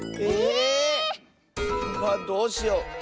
え⁉どうしよう。